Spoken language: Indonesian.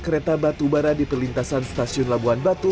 kereta batu bara di perlintasan stasiun labuan batu